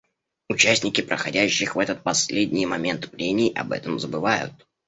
Участники проходящих в этот последний момент прений об этом забывают.